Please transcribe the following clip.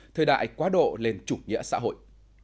thời đại quá độ lên chủ nghĩa xã hội